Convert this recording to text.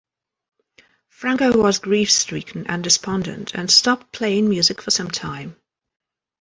Franco was grief-stricken and despondent and stopped playing music for some time.